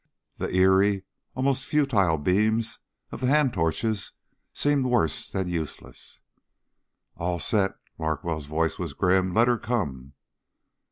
The eery almost futile beams of the hand torches seemed worse than useless. "All set." Larkwell's voice was grim. "Let her come."